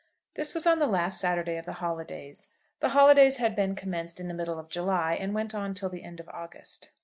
This was on the last Saturday of the holidays. The holidays had been commenced in the middle of July, and went on till the end of August.